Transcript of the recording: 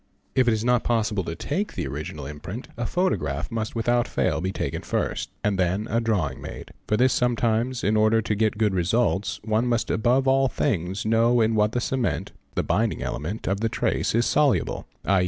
If it is not possible to take the original imprint, a photograph must — without fail be taken first, and then a drawing made. For this some times in order to get good results one must above all things know in what the cement (the binding element) of the trace is soluble, 7.